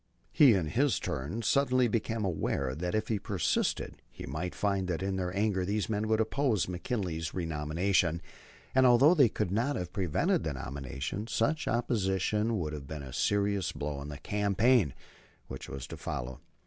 He in his turn suddenly became aware that if he persisted he might find that in their anger these men would oppose Mr. McKinley's renomination, and although they could not have prevented the nomination, such opposition would have been a serious blow in the campaign which was to follow.